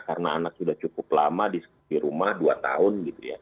karena anak sudah cukup lama di rumah dua tahun